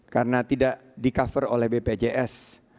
karena tidak di cover oleh bpjs